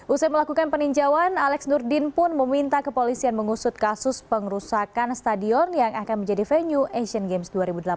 usai melakukan peninjauan alex nurdin pun meminta kepolisian mengusut kasus pengerusakan stadion yang akan menjadi venue asian games dua ribu delapan belas